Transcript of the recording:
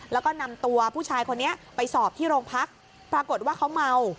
แล้วก็นำตัวผู้ชายคนนี้ไปสอบที่โรงพักปรากฏว่าเขาเมา